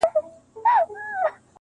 زه نه سر لاری د کوم کاروان یم -